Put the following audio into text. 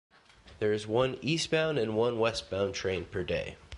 There is one eastbound and one westbound train per day.